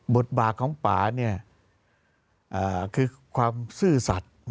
บทบาทของป่าคือความซื่อสัตว์